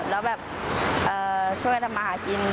แล้วแบบช่วยกันทำมาหากิน